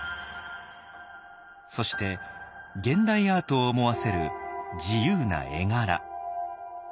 そして現代アートを思わせる自由な絵柄。